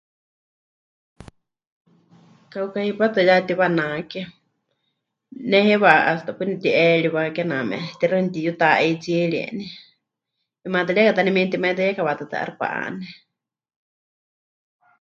Kauka hipátɨ ya tiwanake, ne heiwa hasta paɨ nepɨti'eriwa kename tixaɨ netiyuta'aitsirieni, 'imaatɨrieka ta nemeitimaitɨyeika wa'aátɨ 'aixɨ pɨka'ane.